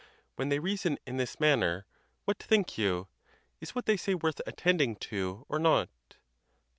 When they reason in this manner, what think you—is what they say worth attending to or not?